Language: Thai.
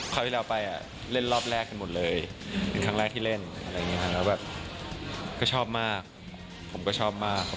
ที่เราไปเล่นรอบแรกกันหมดเลยเป็นครั้งแรกที่เล่นอะไรอย่างนี้แล้วแบบก็ชอบมากผมก็ชอบมาก